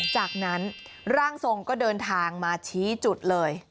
จากนั้นร่างทรงก็เดินทางมาชี้จุดเลย